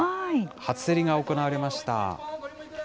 初競りが行われました。